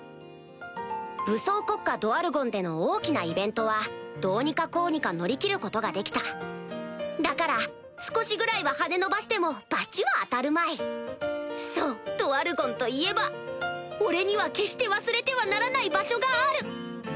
武装国家ドワルゴンでの大きなイベントはどうにかこうにか乗り切ることができただから少しぐらいは羽伸ばしても罰は当たるまいそうドワルゴンといえば俺には決して忘れてはならない場所がある！